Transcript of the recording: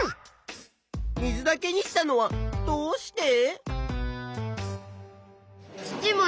水だけにしたのはどうして？